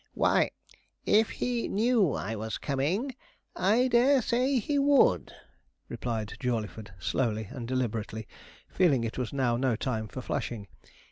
'Why, if he knew I was coming, I dare say he would,' replied Jawleyford slowly and deliberately, feeling it was now no time for flashing.